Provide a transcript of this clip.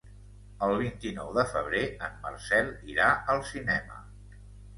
El vint-i-nou de febrer en Marcel irà al cinema.